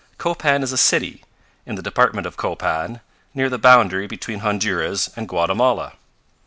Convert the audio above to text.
"Copan is a city, in the Department of Copan, near the boundary between Honduras and Guatemala.